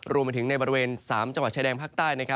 รวมไปถึงในบริเวณ๓จังหวัดชายแดนภาคใต้